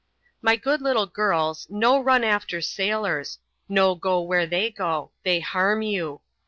" My good little girls, no run after sailors — no go where they go ; they harm you.